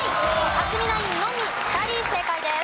克実ナインのみ２人正解です。